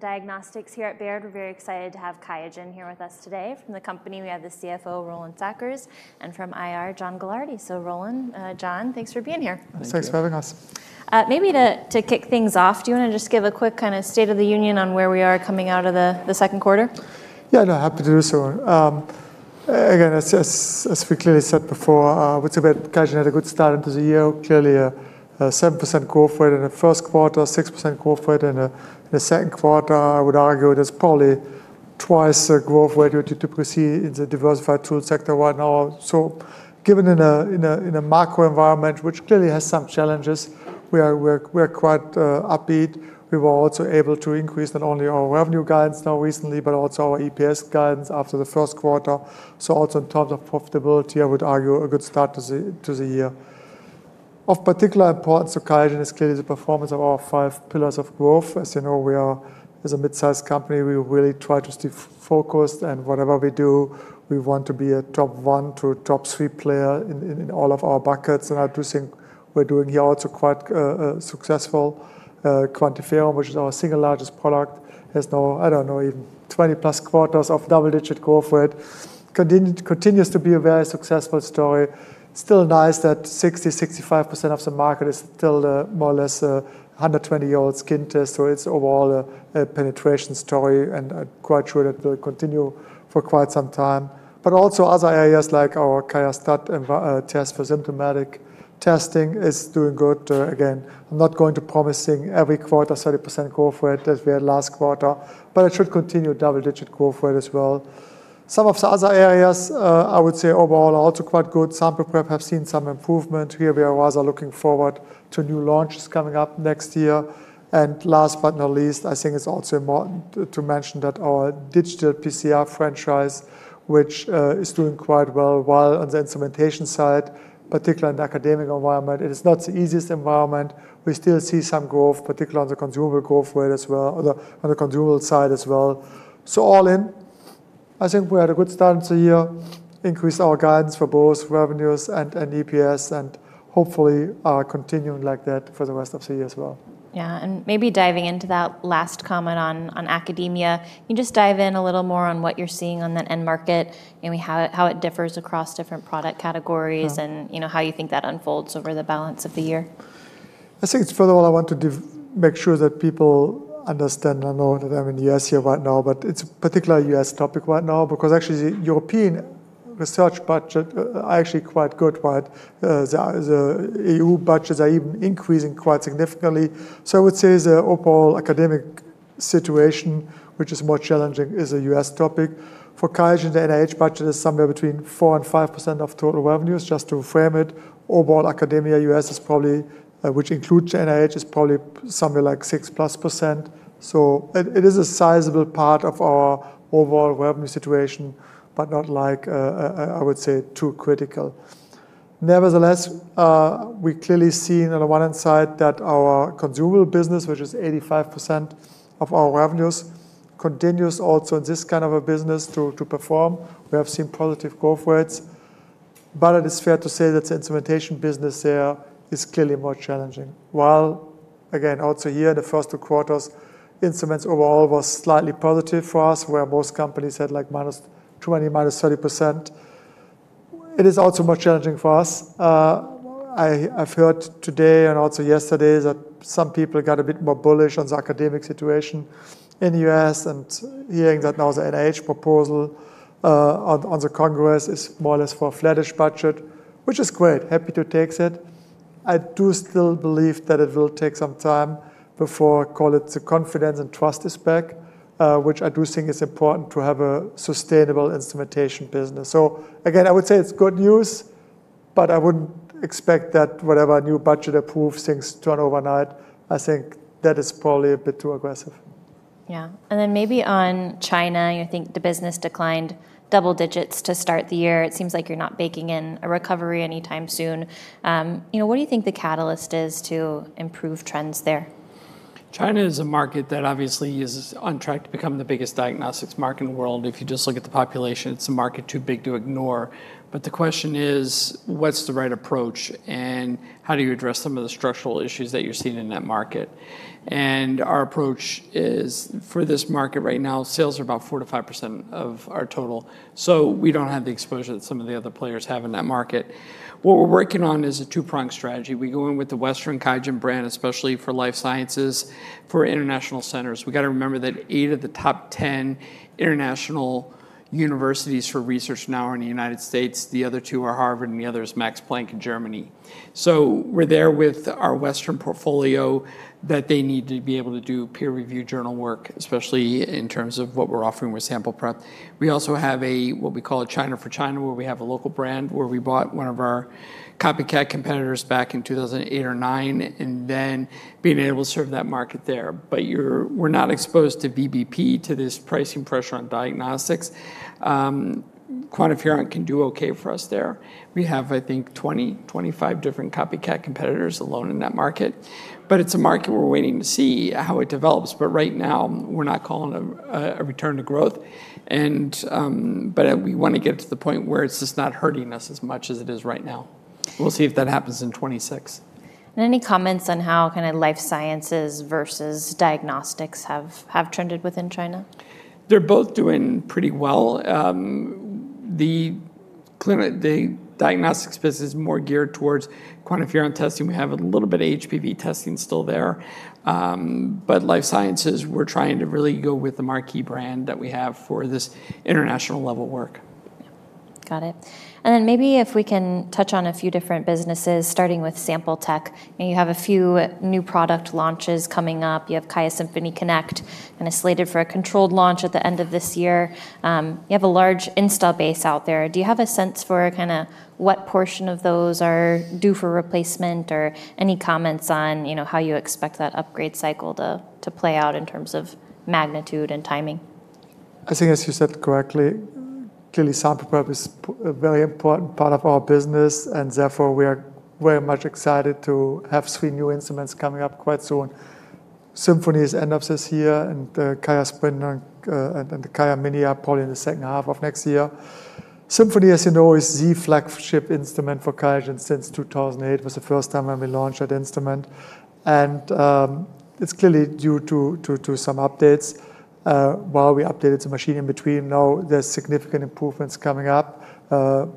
Diagnostics here at Baird, we're very excited to have QIAGEN here with us today. From the company, we have the CFO, Roland Sackers, and from IR, John Gilardi. Roland, John, thanks for being here. Thanks for having us. Maybe to kick things off, do you want to just give a quick kind of state of the union on where we are coming out of the second quarter? Yeah, I'd be happy to do so. Again, as we clearly said before, we took Baird, QIAGEN had a good start into the year, clearly a 7% growth rate in the first quarter, 6% growth rate in the second quarter. I would argue there's probably twice the growth rate to proceed in the diversified tools sector right now. Given in a macro environment, which clearly has some challenges, we are quite upbeat. We were also able to increase not only our revenue guidance now recently, but also our EPS guidance after the first quarter. Also in terms of profitability, I would argue a good start to the year. Of particular importance to QIAGEN is clearly the performance of our five pillars of growth. As you know, we are, as a mid-size company, we really try to stay focused and whatever we do, we want to be a top one to top three player in all of our buckets. I do think we're doing here also quite a successful. QuantiFERON, which is our single largest product, has now, I don't know, even 20 plus quarters of double-digit growth rate. Continues to be a very successful story. Still nice that 60-65% of the market is still more or less a 120-year-old skin test, so it's overall a penetration story and I'm quite sure that it will continue for quite some time. Also other areas like our QIAstat-Dx test for syndromic testing is doing good. I'm not going to promise every quarter 30% growth rate that we had last quarter, but it should continue double-digit growth rate as well. Some of the other areas I would say overall are also quite good. Sample prep have seen some improvement. Here we are also looking forward to new launches coming up next year. Last but not least, I think it's also important to mention that our digital PCR franchise, which is doing quite well while on the instrumentation side, particularly in the academic environment, it is not the easiest environment. We still see some growth, particularly on the consumable growth rate as well, on the consumable side as well. All in, I think we had a good start to the year, increased our guidance for both revenues and EPS, and hopefully continuing like that for the rest of the year as well. Yeah, maybe diving into that last comment on academia, you can just dive in a little more on what you're seeing on that end market, maybe how it differs across different product categories and how you think that unfolds over the balance of the year. I think it's, first of all, I want to make sure that people understand and know that I'm in the U.S. here right now, but it's a particular U.S. topic right now because actually the European research budget is actually quite good. The EU budgets are even increasing quite significantly. I would say the overall academic situation, which is more challenging, is a U.S. topic. For QIAGEN, the NIH budget is somewhere between 4% and 5% of total revenues, just to frame it. Overall academia U.S., which includes the NIH, is probably somewhere like 6% plus. It is a sizable part of our overall revenue situation, but not, I would say, too critical. Nevertheless, we clearly see on the one hand side that our consumables business, which is 85% of our revenues, continues also in this kind of a business to perform. We have seen positive growth rates, but it is fair to say that the instrumentation business there is clearly more challenging. While, again, also here in the first two quarters, instruments overall were slightly positive for us, where most companies had like minus 20%, minus 30%. It is also more challenging for us. I've heard today and also yesterday that some people got a bit more bullish on the academic situation in the U.S. and hearing that now the NIH proposal on the Congress is more or less for a flattish budget, which is great. Happy to take it. I do still believe that it will take some time before, I call it, the confidence and trust is back, which I do think is important to have a sustainable instrumentation business. I would say it's good news, but I wouldn't expect that whatever new budget approved things turn overnight. I think that is probably a bit too aggressive. Yeah, and then maybe on China, you think the business declined double digits to start the year. It seems like you're not baking in a recovery anytime soon. What do you think the catalyst is to improve trends there? China is a market that obviously is on track to become the biggest diagnostics market in the world. If you just look at the population, it's a market too big to ignore. The question is, what's the right approach and how do you address some of the structural issues that you're seeing in that market? Our approach is for this market right now, sales are about 4% to 5% of our total. We don't have the exposure that some of the other players have in that market. What we're working on is a two-prong strategy. We go in with the Western QIAGEN brand, especially for life sciences, for international centers. We've got to remember that eight of the top 10 international universities for research now are in the U.S. The other two are Harvard and the other is Max Planck Institute for Plant Breeding Research in Germany. We're there with our Western portfolio that they need to be able to do peer review journal work, especially in terms of what we're offering with sample preparation technologies. We also have what we call a China for China, where we have a local brand where we bought one of our copycat competitors back in 2008 or 2009, and then being able to serve that market there. We're not exposed to VBP, to this pricing pressure on diagnostics. QuantiFERON can do okay for us there. We have, I think, 20 to 25 different copycat competitors alone in that market. It's a market we're waiting to see how it develops. Right now, we're not calling a return to growth. We want to get it to the point where it's just not hurting us as much as it is right now. We'll see if that happens in 2026. Do you have any comments on how life sciences versus diagnostics have trended within China? They're both doing pretty well. The diagnostics business is more geared towards QuantiFERON testing. We have a little bit of HPV testing still there. Life sciences, we're trying to really go with the marquee brand that we have for this international level work. Got it. If we can touch on a few different businesses, starting with sample tech. You have a few new product launches coming up. You have QIAsymphony Connect kind of slated for a controlled launch at the end of this year. You have a large install base out there. Do you have a sense for what portion of those are due for replacement or any comments on how you expect that upgrade cycle to play out in terms of magnitude and timing? I think, as you said correctly, clearly sample prep is a very important part of our business. Therefore, we are very much excited to have three new instruments coming up quite soon. QIAsymphony Connect's end of this year and the QIASprint Connect and the QIAmini are probably in the second half of next year. QIAsymphony Connect, as you know, is the flagship instrument for QIAGEN since 2008. It was the first time when we launched that instrument. It's clearly due to some updates. While we updated the machine in between, now there's significant improvements coming up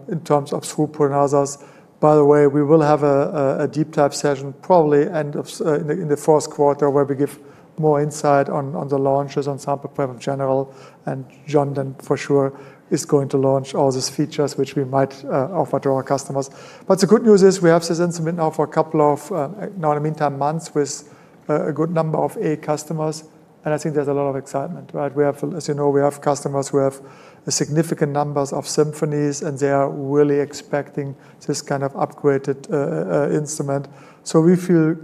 in terms of throughput and others. By the way, we will have a deep dive session probably in the first quarter where we give more insight on the launches, on sample prep in general. John, then for sure, is going to launch all these features which we might offer to our customers. The good news is we have this instrument now for a couple of months with a good number of A customers. I think there's a lot of excitement. As you know, we have customers who have significant numbers of QIAsymphony Connects and they are really expecting this kind of upgraded instrument. We feel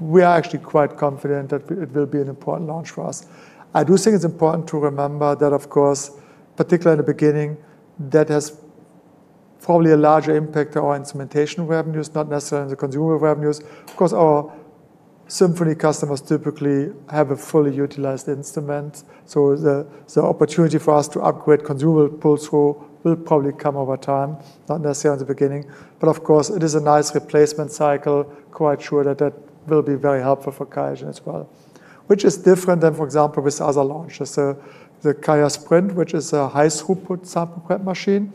we are actually quite confident that it will be an important launch for us. I do think it's important to remember that, of course, particularly in the beginning, that has probably a larger impact on our instrumentation revenues, not necessarily in the consumables revenues. Of course, our QIAsymphony Connect customers typically have a fully utilized instrument. The opportunity for us to upgrade consumable pull-through will probably come over time, not necessarily in the beginning. It is a nice replacement cycle. Quite sure that that will be very helpful for QIAGEN as well. This is different than, for example, with other launches. The QIASprint Connect, which is a high-throughput sample prep machine,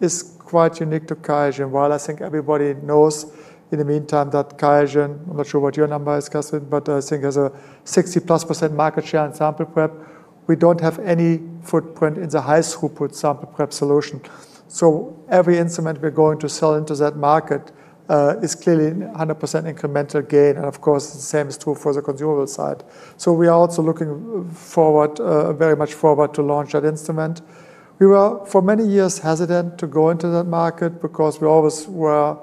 is quite unique to QIAGEN. While I think everybody knows in the meantime that QIAGEN, I'm not sure what your number is, Gaston, but I think it has a 60+% market share in sample prep, we don't have any footprint in the high-throughput sample prep solution. Every instrument we're going to sell into that market is clearly 100% incremental gain. The same is true for the consumable side. We are also looking very much forward to launch that instrument. We were for many years hesitant to go into that market because we always were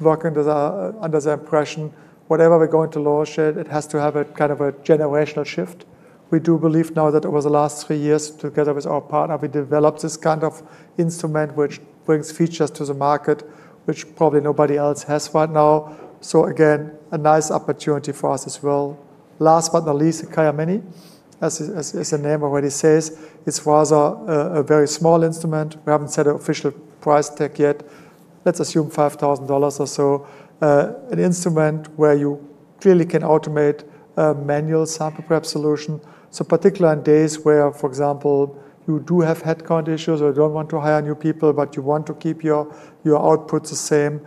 working under the impression, whatever we're going to launch it, it has to have a kind of a generational shift. We do believe now that over the last three years, together with our partner, we developed this kind of instrument which brings features to the market, which probably nobody else has right now. Again, a nice opportunity for us as well. Last but not least, the QIAmini, as the name already says, is rather a very small instrument. We haven't set an official price tag yet. Let's assume $5,000 or so. An instrument where you clearly can automate a manual sample preparation solution. Particularly on days where, for example, you do have headcount issues or you don't want to hire new people, but you want to keep your outputs the same,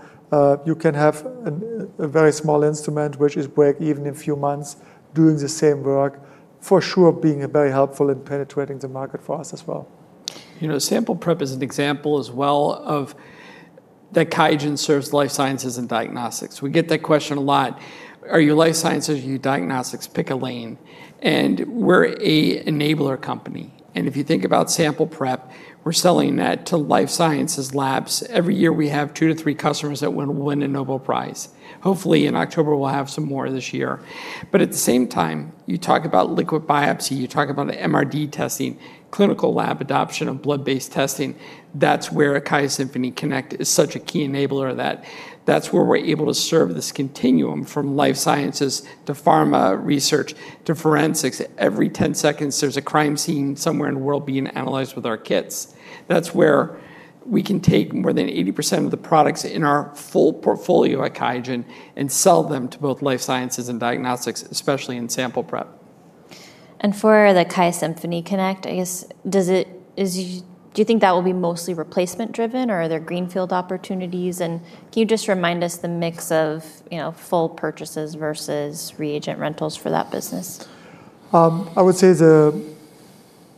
you can have a very small instrument which is break even in a few months doing the same work. For sure, being very helpful in penetrating the market for us as well. You know, sample prep is an example as well of that QIAGEN serves life sciences and diagnostics. We get that question a lot. Are you life sciences or are you diagnostics? Pick a lane. We're an enabler company. If you think about sample prep, we're selling that to life sciences labs. Every year we have two to three customers that win a Nobel Prize. Hopefully in October, we'll have some more this year. At the same time, you talk about liquid biopsy, you talk about MRD testing, clinical lab adoption of blood-based testing. That's where a QIAsymphony Connect is such a key enabler. That's where we're able to serve this continuum from life sciences to pharma research to forensics. Every 10 seconds, there's a crime scene somewhere in the world being analyzed with our kits. That's where we can take more than 80% of the products in our full portfolio at QIAGEN and sell them to both life sciences and diagnostics, especially in sample prep. For the QIAsymphony Connect, do you think that will be mostly replacement driven or are there greenfield opportunities? Can you just remind us the mix of full purchases versus reagent rentals for that business? I would say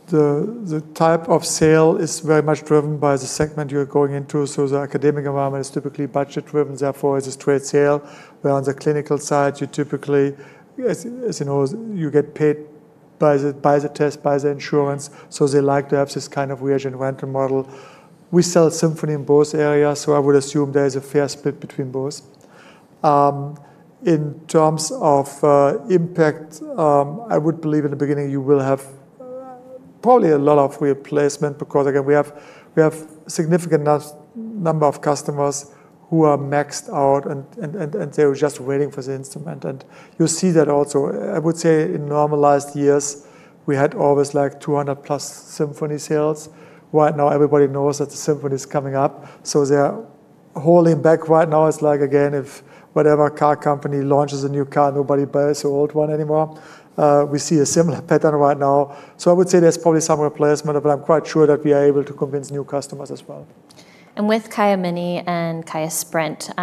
the type of sale is very much driven by the segment you're going into. The academic environment is typically budget driven. Therefore, it's a straight sale. Where on the clinical side, you typically, as you know, you get paid by the test, by the insurance. They like to have this kind of reagent rental model. We sell Symphony in both areas. I would assume there is a fair split between both. In terms of impact, I would believe in the beginning you will have probably a lot of replacement because, again, we have a significant number of customers who are maxed out and they're just waiting for the instrument. You'll see that also, I would say, in normalized years, we had always like 200 plus Symphony sales. Right now, everybody knows that the Symphony is coming up. They're holding back right now. It's like, if whatever car company launches a new car, nobody buys the old one anymore. We see a similar pattern right now. I would say there's probably some replacement, but I'm quite sure that we are able to convince new customers as well. With QIAmini and QIASprint Connect,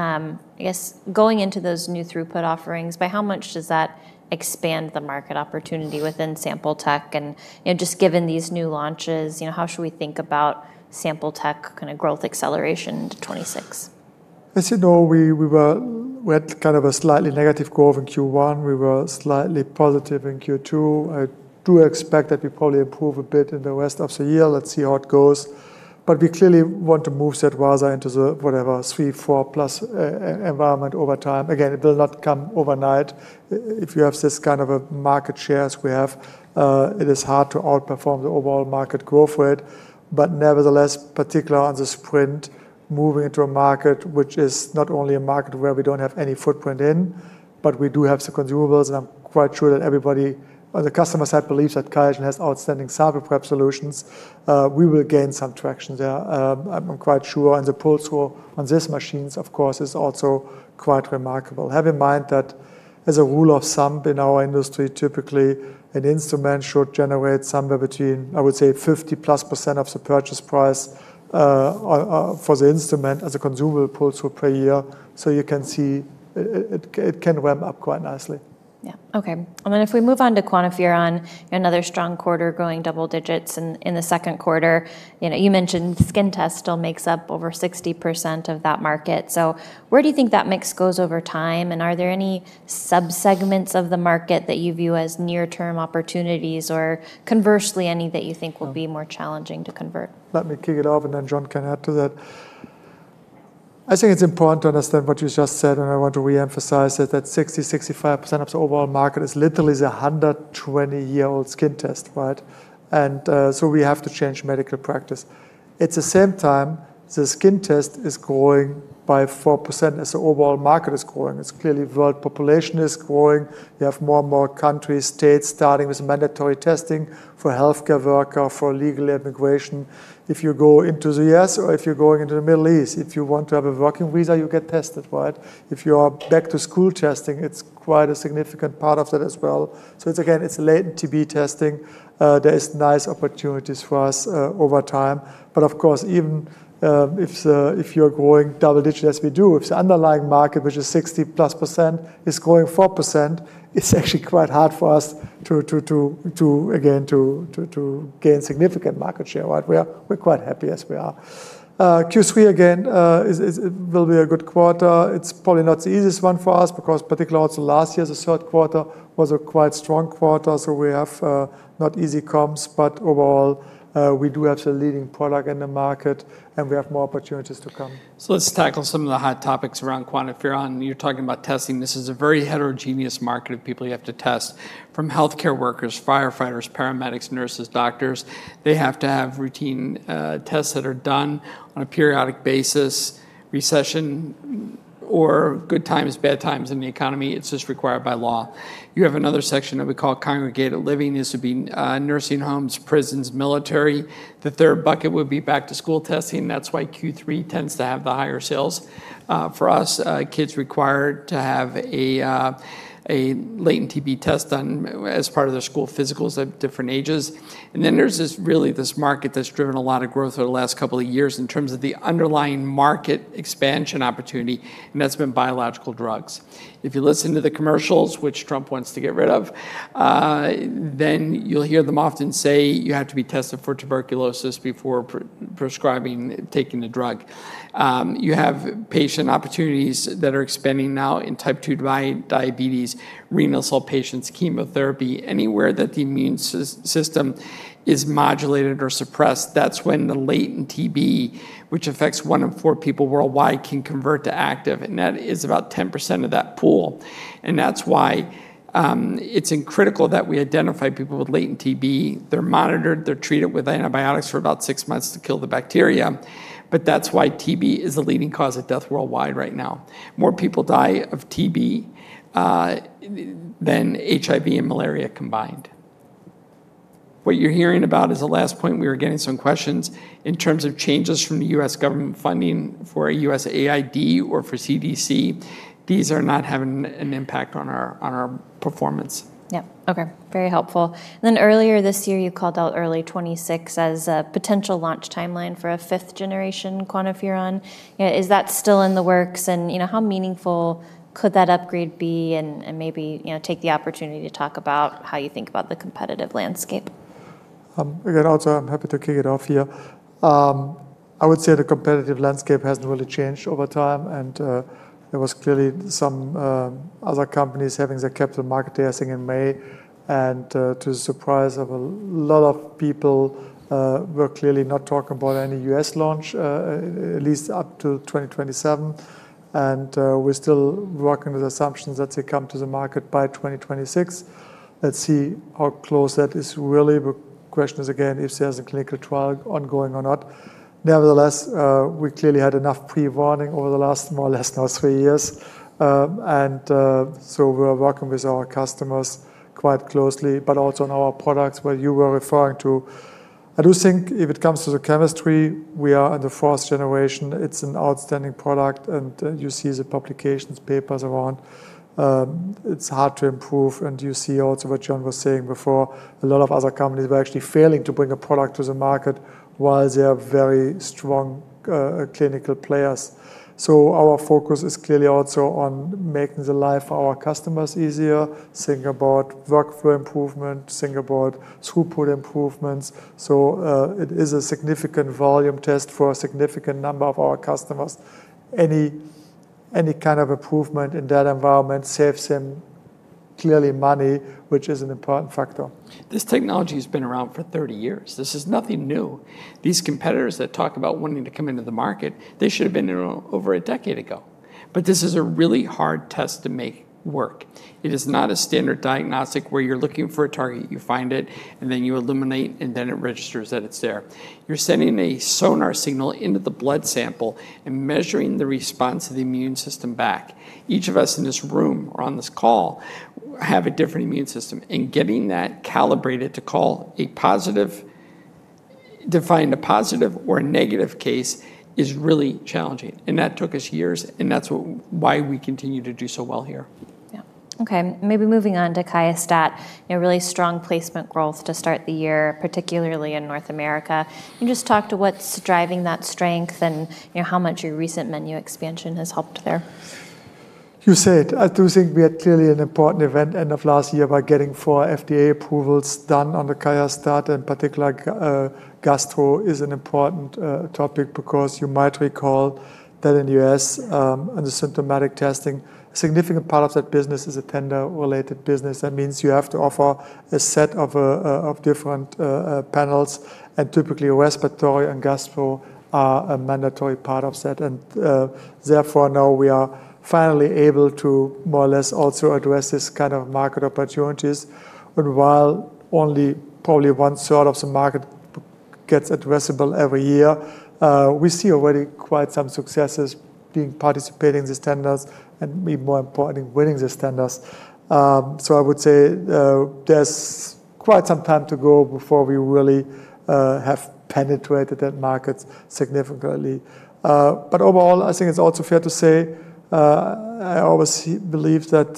I guess going into those new throughput offerings, by how much does that expand the market opportunity within sample tech? Just given these new launches, how should we think about sample tech kind of growth acceleration to 2026? As you know, we were at kind of a slightly negative growth in Q1. We were slightly positive in Q2. I do expect that we probably improve a bit in the rest of the year. Let's see how it goes. We clearly want to move that rather into the whatever 3, 4+% environment over time. It will not come overnight. If you have this kind of a market share as we have, it is hard to outperform the overall market growth rate. Nevertheless, particularly on the Sprint, moving into a market which is not only a market where we don't have any footprint in, but we do have some consumables. I'm quite sure that everybody on the customer side believes that QIAGEN has outstanding sample prep solutions. We will gain some traction there. I'm quite sure the pull-through on these machines, of course, is also quite remarkable. Have in mind that as a rule of thumb in our industry, typically an instrument should generate somewhere between, I would say, 50+% of the purchase price for the instrument as a consumable pull-through per year. You can see it can ramp up quite nicely. Okay. If we move on to QuantiFERON, another strong quarter going double digits in the second quarter. You mentioned skin test still makes up over 60% of that market. Where do you think that mix goes over time? Are there any subsegments of the market that you view as near-term opportunities or conversely any that you think will be more challenging to convert? Let me kick it off and then John can add to that. I think it's important to understand what you just said and I want to reemphasize it, that 60-65% of the overall market is literally the 120-year-old skin test, right? We have to change medical practice. At the same time, the skin test is growing by 4% as the overall market is growing. It's clearly the world population is growing. You have more and more countries, states starting with mandatory testing for healthcare workers, for legal immigration. If you go into the U.S. or if you're going into the Middle East, if you want to have a working visa, you get tested, right? If you are back to school testing, it's quite a significant part of that as well. It's, again, it's latent TB testing. There are nice opportunities for us over time. Of course, even if you're growing double digit as we do, if the underlying market, which is 60+%, is growing 4%, it's actually quite hard for us to, again, to gain significant market share, right? We're quite happy as we are. Q3 again will be a good quarter. It's probably not the easiest one for us because particularly also last year, the third quarter was a quite strong quarter. We have not easy comps, but overall we do have the leading product in the market and we have more opportunities to come. Let's tackle some of the hot topics around QuantiFERON. You're talking about testing. This is a very heterogeneous market of people you have to test. From healthcare workers, firefighters, paramedics, nurses, doctors, they have to have routine tests that are done on a periodic basis. Recession or good times, bad times in the economy, it's just required by law. You have another section that we call congregated living. This would be nursing homes, prisons, military. The third bucket would be back to school testing. That's why Q3 tends to have the higher sales. For us, kids require to have a latent TB test done as part of their school physicals at different ages. There's really this market that's driven a lot of growth over the last couple of years in terms of the underlying market expansion opportunity. That's been biological drugs. If you listen to the commercials, which Trump wants to get rid of, you'll hear them often say you have to be tested for tuberculosis before prescribing, taking the drug. You have patient opportunities that are expanding now in type 2 diabetes, renal cell patients, chemotherapy, anywhere that the immune system is modulated or suppressed. That's when the latent TB, which affects one in four people worldwide, can convert to active. That is about 10% of that pool. That's why it's critical that we identify people with latent TB. They're monitored, they're treated with antibiotics for about six months to kill the bacteria. That's why TB is the leading cause of death worldwide right now. More people die of TB than HIV and malaria combined. What you're hearing about is the last point. We were getting some questions in terms of changes from the U.S. government funding for a U.S. AID or for CDC. These are not having an impact on our performance. Okay. Very helpful. Earlier this year, you called out early 2026 as a potential launch timeline for a fifth generation QuantiFERON. Is that still in the works? How meaningful could that upgrade be? Maybe take the opportunity to talk about how you think about the competitive landscape. Again, also I'm happy to kick it off here. I would say the competitive landscape hasn't really changed over time. There were clearly some other companies having the capital market testing in May. To the surprise of a lot of people, we're clearly not talking about any U.S. launch, at least up to 2027. We're still working with assumptions that they come to the market by 2026. Let's see how close that is really. The question is again if there's a clinical trial ongoing or not. Nevertheless, we clearly had enough pre-warning over the last more or less now three years. We're working with our customers quite closely, but also on our products where you were referring to. I do think if it comes to the chemistry, we are in the first generation. It's an outstanding product. You see the publications, papers around. It's hard to improve. You see also what John was saying before. A lot of other companies were actually failing to bring a product to the market while they are very strong clinical players. Our focus is clearly also on making the life for our customers easier. Think about workflow improvement, think about throughput improvements. It is a significant volume test for a significant number of our customers. Any kind of improvement in that environment saves them clearly money, which is an important factor. This technology has been around for 30 years. This is nothing new. These competitors that talk about wanting to come into the market should have been in over a decade ago. This is a really hard test to make work. It is not a standard diagnostic where you're looking for a target, you find it, and then you illuminate, and then it registers that it's there. You're sending a sonar signal into the blood sample and measuring the response of the immune system back. Each of us in this room or on this call have a different immune system. Getting that calibrated to call a positive, define a positive or a negative case is really challenging. That took us years, and that's why we continue to do so well here. Yeah, okay. Maybe moving on to QIAstat-Dx, really strong placement growth to start the year, particularly in North America. You can just talk to what's driving that strength and how much your recent menu expansion has helped there. I do think we had clearly an important event end of last year about getting four FDA approvals done on the QIAstat-Dx. In particular, gastro is an important topic because you might recall that in the U.S., under syndromic testing, a significant part of that business is a tender-related business. That means you have to offer a set of different panels. Typically, respiratory and gastro are a mandatory part of that. Therefore, now we are finally able to more or less also address this kind of market opportunities. While only probably one third of the market gets addressable every year, we see already quite some successes being participating in these tenders and even more importantly, winning these tenders. I would say there's quite some time to go before we really have penetrated that market significantly. Overall, I think it's also fair to say I always believe that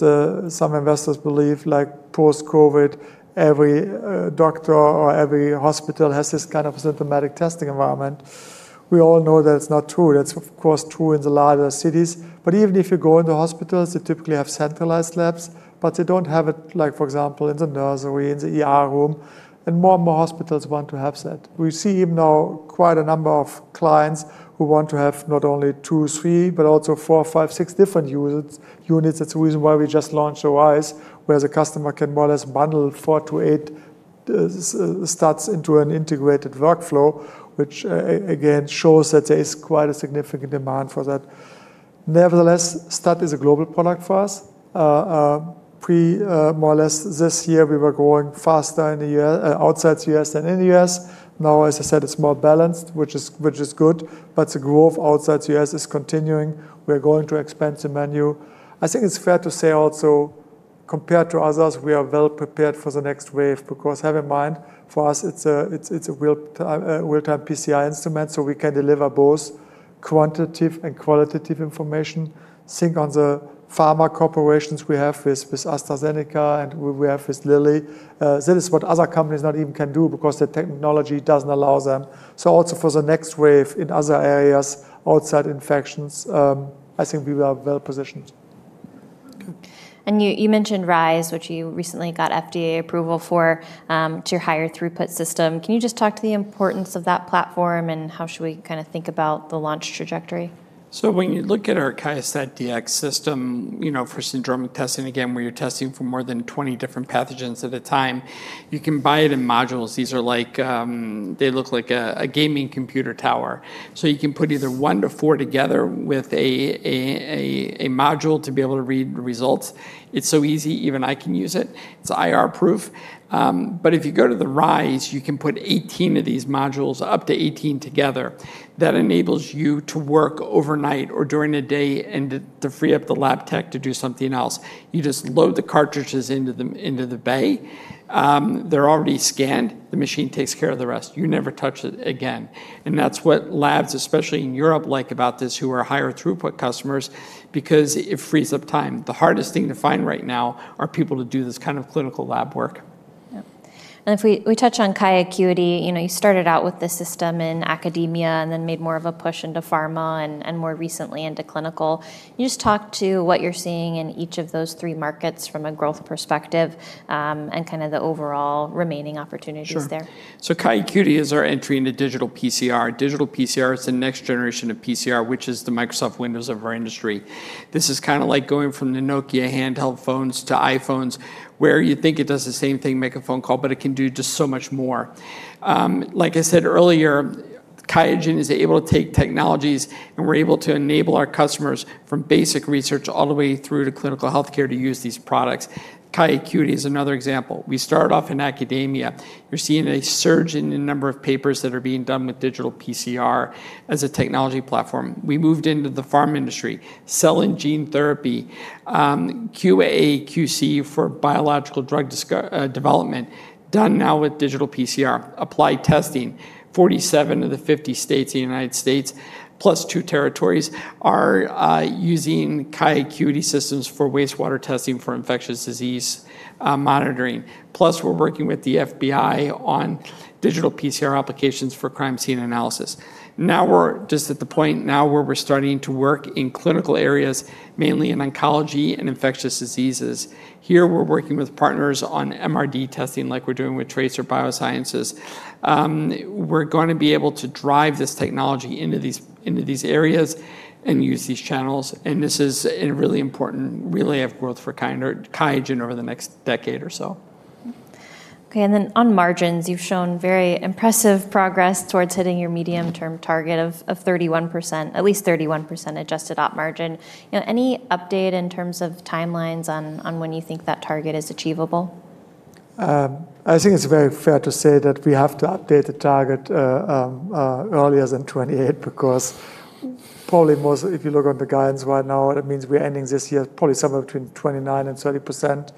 some investors believe like post-COVID, every doctor or every hospital has this kind of a syndromic testing environment. We all know that it's not true. That's of course true in the larger cities. Even if you go into hospitals, they typically have centralized labs, but they don't have it like, for example, in the nursery, in the room. More and more hospitals want to have that. We see even now quite a number of clients who want to have not only two, three, but also four, five, six different units. That's the reason why we just launched ORIZE, where the customer can more or less bundle four to eight STATs into an integrated workflow, which again shows that there is quite a significant demand for that. Nevertheless, STAT is a global product for us. Pre-more or less this year, we were growing faster outside the U.S. than in the U.S. Now, as I said, it's more balanced, which is good, but the growth outside the U.S. is continuing. We are going to expand the menu. I think it's fair to say also compared to others, we are well prepared for the next wave because have in mind for us, it's a real-time PCR instrument. We can deliver both quantitative and qualitative information. Think on the pharma collaborations we have with AstraZeneca and we have with Lilly. That is what other companies not even can do because the technology doesn't allow them. Also for the next wave in other areas, outside infections, I think we are well positioned. You mentioned RISE, which you recently got FDA approval for, your higher throughput system. Can you just talk to the importance of that platform and how should we kind of think about the launch trajectory? When you look at our QIAstat-Dx system for syndromic testing, where you're testing for more than 20 different pathogens at a time, you can buy it in modules. These are like, they look like a gaming computer tower. You can put either one to four together with a module to be able to read results. It's so easy, even I can use it. It's IR proof. If you go to the RISE, you can put up to 18 of these modules together. That enables you to work overnight or during the day and to free up the lab tech to do something else. You just load the cartridges into the bay. They're already scanned. The machine takes care of the rest. You never touch it again. That's what labs, especially in Europe, like about this, who are higher throughput customers, because it frees up time. The hardest thing to find right now are people to do this kind of clinical lab work. Yeah. If we touch on QIAcuity, you started out with this system in academia and then made more of a push into pharma and more recently into clinical. Can you just talk to what you're seeing in each of those three markets from a growth perspective and kind of the overall remaining opportunities there? Sure. QIAcuity is our entry into digital PCR. Digital PCR is the next generation of PCR, which is the Microsoft Windows of our industry. This is kind of like going from the Nokia handheld phones to iPhones, where you think it does the same thing, make a phone call, but it can do just so much more. Like I said earlier, QIAGEN is able to take technologies and we're able to enable our customers from basic research all the way through to clinical healthcare to use these products. QIAcuity is another example. We started off in academia. You're seeing a surge in the number of papers that are being done with digital PCR as a technology platform. We moved into the pharma industry, selling gene therapy, QA/QC for biological drug development, done now with digital PCR. Applied testing, 47 of the 50 states in the U.S., plus two territories, are using QIAcuity systems for wastewater testing for infectious disease monitoring. Plus, we're working with the FBI on digital PCR applications for crime scene analysis. Now we're just at the point where we're starting to work in clinical areas, mainly in oncology and infectious diseases. Here, we're working with partners on MRD testing like we're doing with Tracer Biosciences. We're going to be able to drive this technology into these areas and use these channels. This is a really important way of growth for QIAGEN over the next decade or so. Okay. On margins, you've shown very impressive progress towards hitting your medium-term target of 31%, at least 31% adjusted operating margin. Any update in terms of timelines on when you think that target is achievable? I think it's very fair to say that we have to update the target earlier than 2028 because probably most, if you look on the guidance right now, that means we're ending this year probably somewhere between 29% and 30%.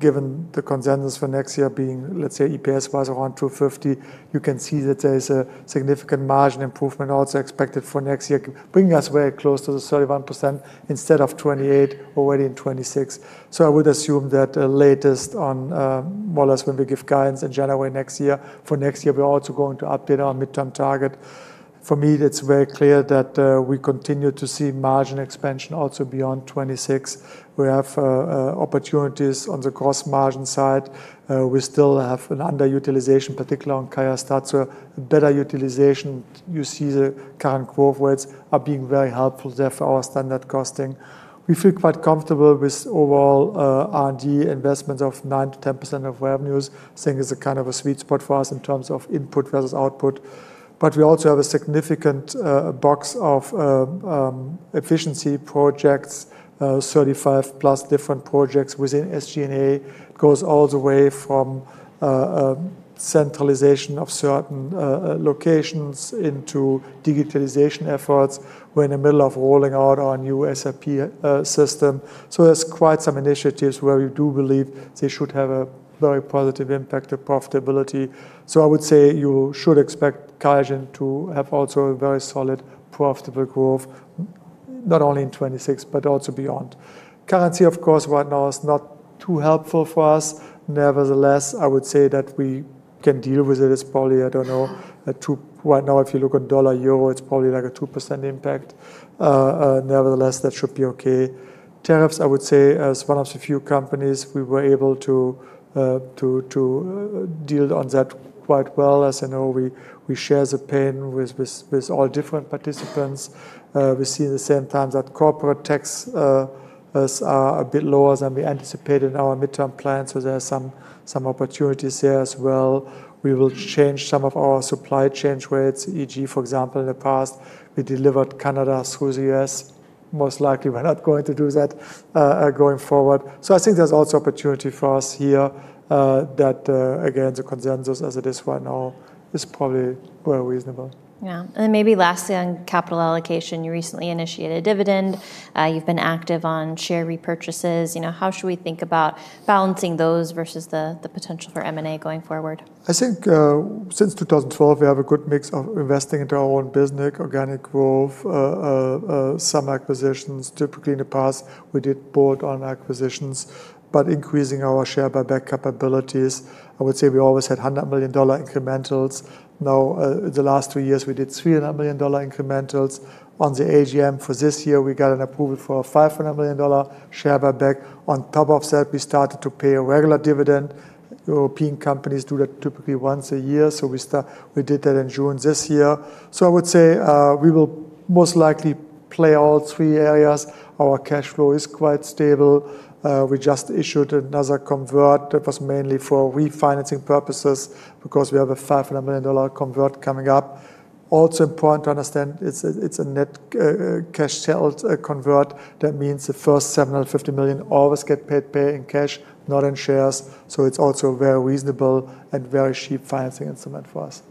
Given the consensus for next year being, let's say, EPS-wise around $2.50, you can see that there is a significant margin improvement also expected for next year, bringing us very close to the 31% instead of 28% already in 2026. I would assume that the latest on more or less when we give guidance in January next year, for next year, we're also going to update our midterm target. For me, it's very clear that we continue to see margin expansion also beyond 2026. We have opportunities on the gross margin side. We still have an underutilization, particularly on QIAstat-Dx, so better utilization. You see the current growth rates are being very helpful there for our standard costing. We feel quite comfortable with overall R&D investments of 9% to 10% of revenues, saying it's a kind of a sweet spot for us in terms of input versus output. We also have a significant box of efficiency projects, 35 plus different projects within SG&A, goes all the way from centralization of certain locations into digitalization efforts. We're in the middle of rolling out our new SRP system. There are quite some initiatives where we do believe they should have a very positive impact to profitability. I would say you should expect QIAGEN to have also a very solid profitable growth, not only in 2026, but also beyond. Currency, of course, right now is not too helpful for us. Nevertheless, I would say that we can deal with it. It's probably, I don't know, a two, right now if you look at dollar euro, it's probably like a 2% impact. Nevertheless, that should be okay. Tariffs, I would say, as one of the few companies we were able to deal on that quite well. As you know, we share the pain with all different participants. We see at the same time that corporate tax is a bit lower than we anticipated in our midterm plans. There are some opportunities there as well. We will change some of our supply chain rates, e.g., for example, in the past, we delivered Canada through the U.S. Most likely, we're not going to do that going forward. I think there's also opportunity for us here that, again, the consensus as it is right now is probably very reasonable. Lastly, on capital allocation, you recently initiated a dividend. You've been active on share repurchases. How should we think about balancing those versus the potential for M&A going forward? I think since 2012, we have a good mix of investing into our own business, organic growth, some acquisitions. Typically, in the past, we did bolt-on acquisitions, but increasing our share buyback capabilities. I would say we always had $100 million incrementals. Now, the last two years, we did $300 million incrementals. On the AGM for this year, we got an approval for a $500 million share buyback. On top of that, we started to pay a regular dividend. European companies do that typically once a year. We did that in June this year. I would say we will most likely play all three areas. Our cash flow is quite stable. We just issued another convert that was mainly for refinancing purposes because we have a $500 million convert coming up. Also important to understand, it's a net cash sales convert. That means the first $750 million always get paid in cash, not in shares. It is also a very reasonable and very cheap financing instrument for us.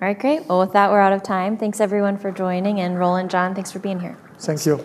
All right, great. With that, we're out of time. Thanks everyone for joining. Roland, John, thanks for being here. Thanks, you.